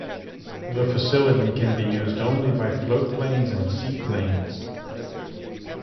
The facility can be used only by floatplanes and seaplanes.